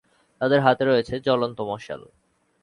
তাদের হাতে রয়েছে জ্বলন্ত মশাল।